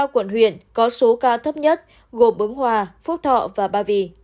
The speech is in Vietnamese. ba quận huyện có số ca thấp nhất gồm ứng hòa phúc thọ và ba vì